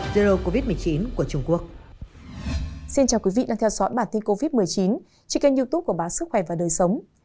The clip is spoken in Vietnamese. xin chào quý vị đang theo dõi bản tin covid một mươi chín trên kênh youtube của báo sức khỏe và đời sống